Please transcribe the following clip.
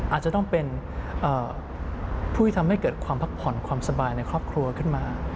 อาจจะต้องเป็นผู้ที่ทำให้เกิดความพักผ่อนความสบายในครอบครัวขึ้นมา